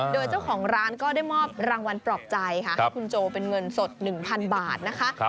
โดยเจ้าของร้านก็ได้มอบรางวัลปลอบใจค่ะให้คุณโจเป็นเงินสด๑๐๐๐บาทนะคะ